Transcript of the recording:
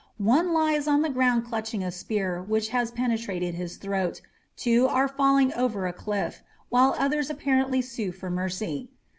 One lies on the ground clutching a spear which has penetrated his throat, two are falling over a cliff, while others apparently sue for mercy.